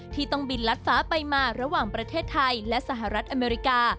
ที่ต้องบินลัดฟ้าไปมาระหว่างประเทศไทยและสหรัฐอเมริกา